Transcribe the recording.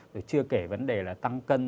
rồi chưa kể vấn đề là tăng cân